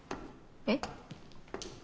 えっ？